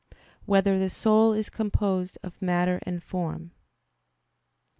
5] Whether the Soul Is Composed of Matter and Form?